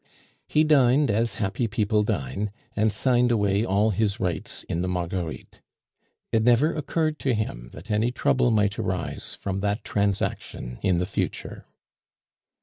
He dined as happy people dine, and signed away all his rights in the Marguerites. It never occurred to him that any trouble might arise from that transaction in the future.